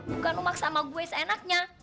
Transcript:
bukan lo maksa sama gue seenaknya